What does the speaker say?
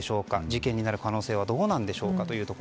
事件になる可能性はどうなんでしょうか。